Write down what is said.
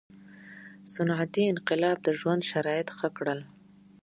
• صنعتي انقلاب د ژوند شرایط ښه کړل.